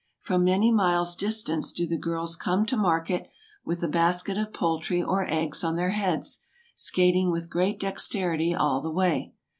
From many miles distance do the girls come to market, with a basket of poultry or eggs on their heads; skaiting with great dexterity all the w 7 ay.